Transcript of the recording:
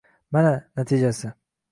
Mana — natijasi!